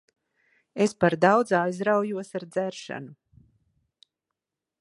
Es par daudz aizraujos ar dzeršanu.